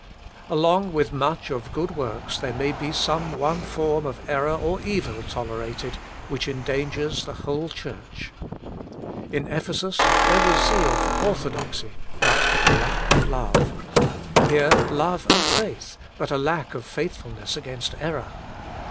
Along with much of good works there may be some one form of error or evil tol erated which endangers the whole church. In Ephesus there was zeal for orthodoxy, but a lack of love ; here love and faith, but a lack of faithfulness against error.